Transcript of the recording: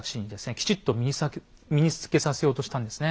きちっと身につけさせようとしたんですね。